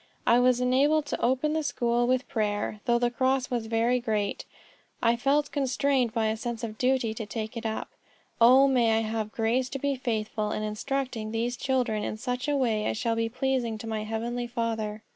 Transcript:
I was enabled to open the school with prayer. Though the cross was very great, I felt constrained by a sense of duty to take it up. O may I have grace to be faithful in instructing these children in such a way as shall be pleasing to my heavenly Father."